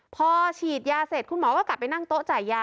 พอฉีดยาเสร็จคุณหมอก็กลับไปนั่งโต๊ะจ่ายยา